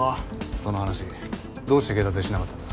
その話どうして警察にしなかったんだ？